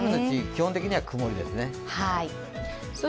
基本的には曇りですね。